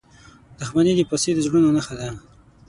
• دښمني د فاسدو زړونو نښه ده.